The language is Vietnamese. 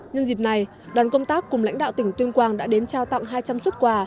nhân dịp này đoàn công tác cùng lãnh đạo tỉnh tuyên quang đã đến trao tặng hai trăm linh xuất quà